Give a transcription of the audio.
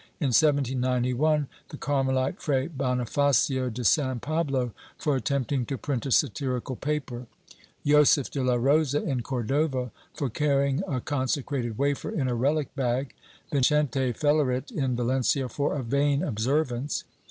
In 1791, the Car melite Fray Bonifacio de San Pablo, for attempting to print a satirical paper; Josef de la Rosa, in Cordova, for carrying a con secrated wafer in a rehc bag; Vicente Felerit, in Valencia, for a "vain observance."